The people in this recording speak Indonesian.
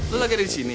lo lagi ada di sini